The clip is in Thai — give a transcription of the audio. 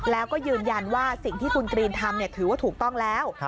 แล้วก็ยืนยันว่าสิ่งที่คุณกรีนทำถือว่าถูกต้องแล้ว